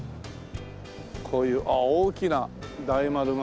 こういうああ大きな大丸が。